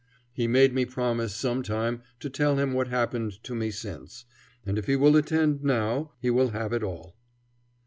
He made me promise sometime to tell him what happened to me since, and if he will attend now he will have it all.